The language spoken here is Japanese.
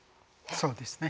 そうですね。